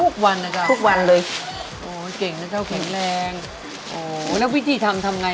กระทุ้งเข้าไปให้แน่นจะได้คุ้มราคาต้อง